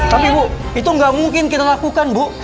tapi bu itu nggak mungkin kita lakukan bu